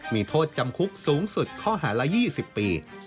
มีโทษจำคุกสูงสุดข้อหาละ๒๐ปี